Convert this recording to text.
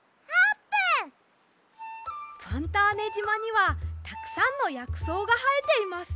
ファンターネじまにはたくさんのやくそうがはえています。